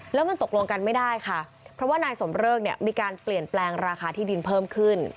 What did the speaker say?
แล้วมันตกลงกันไม่ได้ค่ะเพราะว่านายสมเริกเนี่ยมีการเปลี่ยนแปลงราคาที่ดินเพิ่มขึ้น